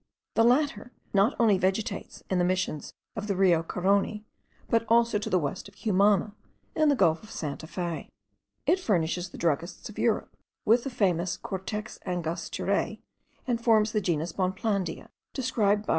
The latter not only vegetates in the missions of the Rio Carony, but also to the west of Cumana, in the gulf of Santa Fe. It furnishes the druggists of Europe with the famous Cortex Angosturae, and forms the genus Bonplandia, described by M.